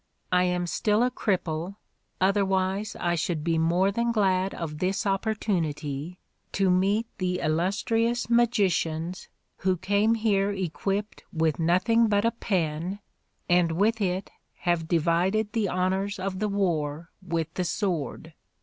— I am still a cripple, otherwise I should be more than glad of this opportunity to meet the illustrious magicians who came here equipped with nothing but a pen, and with it have divided the honors of the war with the sword.